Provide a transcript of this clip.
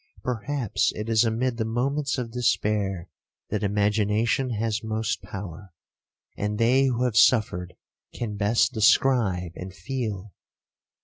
Perhaps it is amid the moments of despair, that imagination has most power, and they who have suffered, can best describe and feel.